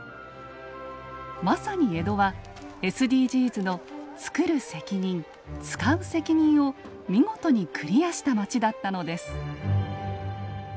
まさに江戸はＳＤＧｓの「つくる責任つかう責任」を見事にクリアした街だったのです。